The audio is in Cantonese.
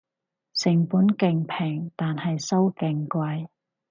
成本勁平但係收勁貴